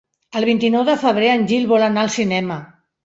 El vint-i-nou de febrer en Gil vol anar al cinema.